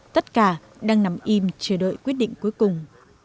tất cả đang nằm im chờ đợi quyết định cuối cùng